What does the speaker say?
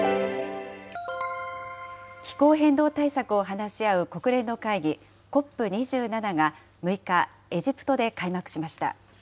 気候変動対策を話し合う国連の会議、ＣＯＰ２７が６日、エジプトで開幕しました。